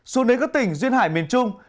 xuân đến các tỉnh duyên hải miền trung